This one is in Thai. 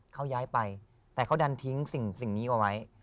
เขาย้ายไปแต่เขาดันทิ้งสิ่งนี้เอาไว้